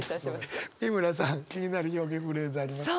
美村さん気になる表現フレーズありますか？